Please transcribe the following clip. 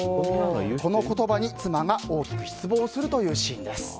この言葉に妻が大きく失望するというシーンです。